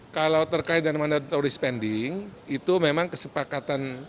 kalau terkait dengan mandatory spending itu memang kesepakatan